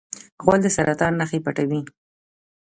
غول د سرطان نښې پټوي.